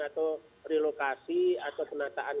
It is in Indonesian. atau relokasi atau penataan